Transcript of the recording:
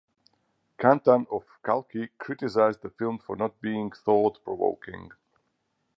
Kanthan of "Kalki" criticised the film for not being thought provoking.